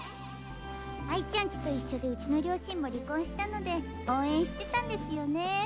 あいちゃんちと一緒でうちの両親も離婚したので応援してたんですよね。